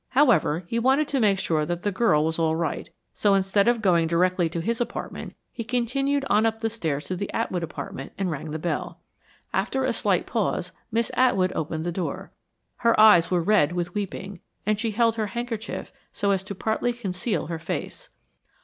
However, he wanted to make sure that the girl was all right, so instead of going directly to his apartment, he continued on up the stairs to the Atwood apartment and rang the bell. After a slight pause, Miss Atwood opened the door. Her eyes were red with weeping, and she held her handkerchief so as to partly conceal her face.